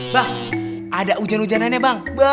bang ada ujian ujianannya bang